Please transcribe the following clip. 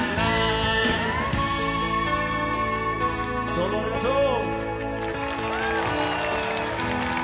どうもありがとう！